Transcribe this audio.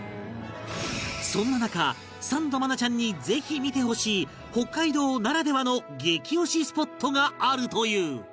そんな中サンド愛菜ちゃんにぜひ見てほしい北海道ならではの激推しスポットがあるという